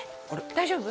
大丈夫？